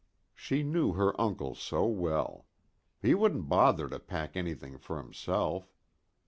She knew her uncle so well. He wouldn't bother to pack anything for himself.